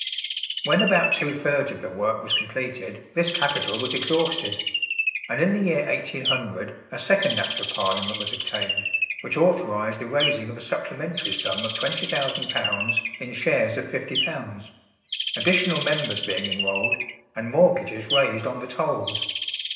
When about two thirds of the work was completed this capital was exhausted; and in the year 1800 a second Act of Parliament was obtained, which authorised the raising of a supplementary sum of £20,000 in shares of £50; additional members being enrolled, and mortgages raised on the tolls.